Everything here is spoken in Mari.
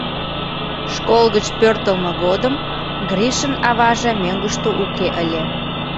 Школ гыч пӧртылмӧ годым Гришын аваже мӧҥгыштӧ уке ыле.